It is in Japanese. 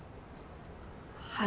はい。